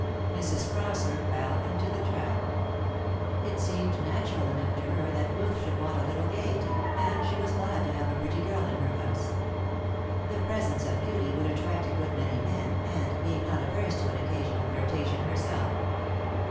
Mrs. Prosser fell into the trap. It seemed natural enough to her that Ruth should want a little gaiety, and she was glad to have a pretty girl in her house. The presence of beauty would attract a good many men and, being not averse to an occasional flirtation herself.